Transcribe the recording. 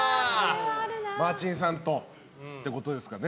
マーチンさんとってことですかね。